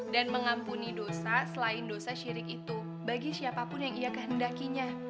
dan mengampuni dosa selain dosa syirik itu bagi siapapun yang ia kehendakinya